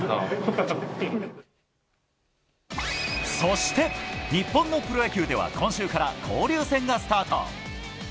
そして、日本のプロ野球では、今週から交流戦がスタート。